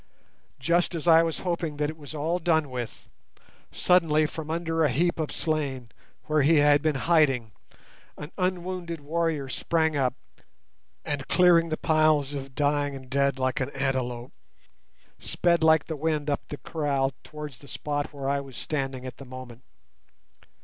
Just as I was hoping that it was all done with, suddenly from under a heap of slain where he had been hiding, an unwounded warrior sprang up, and, clearing the piles of dying dead like an antelope, sped like the wind up the kraal towards the spot where I was standing at the moment.